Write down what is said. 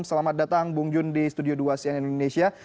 selamat datang bung jun di studio dua cnn indonesia